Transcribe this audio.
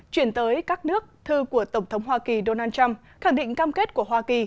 chuyển tới các nước thư của tổng thống hoa kỳ donald trump khẳng định cam kết của hoa kỳ